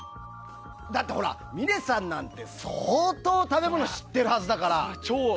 だって、峰さんなんて相当食べ物知ってるはずだから。